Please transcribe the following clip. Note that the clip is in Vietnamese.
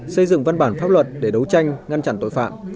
xây dựng văn bản pháp luật để đấu tranh ngăn chặn tội phạm